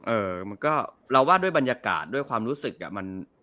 เออมันก็เราว่าด้วยบรรยากาศด้วยความรู้สึกอ่ะมัน